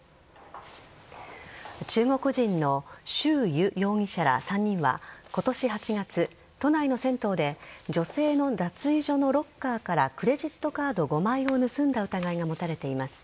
中国人のシュウ・ユ容疑者ら３人は今年８月、都内の銭湯で女性の脱衣所のロッカーからクレジットカード５枚を盗んだ疑いが持たれています。